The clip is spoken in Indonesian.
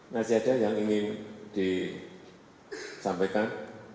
nah saya ada yang ingin disampaikan